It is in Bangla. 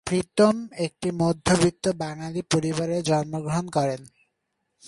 প্রীতম একটি মধ্যবিত্ত বাঙালি পরিবারে জন্মগ্রহণ করেন।